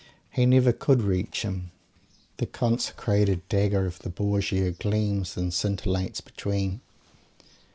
He never could reach him. The "consecrated" dagger of the Borgia gleams and scintillates between.